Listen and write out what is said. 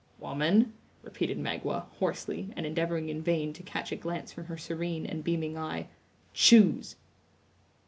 "Woman," repeated Magua, hoarsely, and endeavoring in vain to catch a glance from her serene and beaming eye, "choose!"